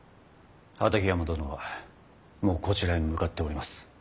畠山殿はもうこちらへ向かっております。